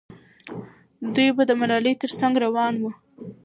دوی به د ملالۍ تر څنګ روان وو.